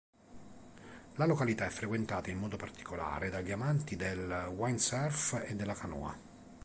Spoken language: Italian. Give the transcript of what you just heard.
La località è frequentata in modo particolare dagli amanti del windsurf e della canoa.